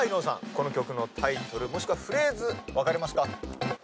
この曲のタイトルもしくはフレーズ分かります？